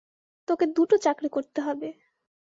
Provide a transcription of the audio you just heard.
তোকে দুটো চাকরি করতে হবে।